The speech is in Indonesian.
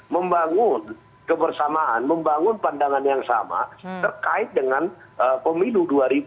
membangun kebersamaan membangun pandangan yang sama terkait dengan pemilu dua ribu dua puluh